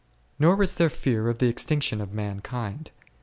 Nor is there fear of the extinction of mankind.